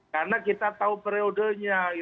karena kita tahu periodenya